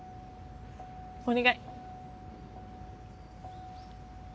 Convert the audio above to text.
お願い。